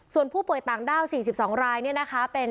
ส่วนผู้ป่วยต่างด้าว๔๒ราย